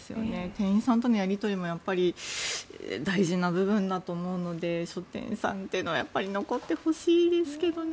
店員さんとのやり取りも大事な部分だと思うので書店さんというのは残ってほしいですけどね。